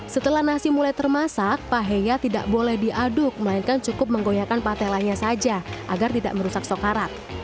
setelah nasi mulai termasak paheya tidak boleh diaduk melainkan cukup menggoyakan patelanya saja agar tidak merusak sokarat